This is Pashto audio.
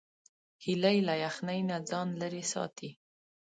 هیلۍ له یخنۍ نه ځان لیرې ساتي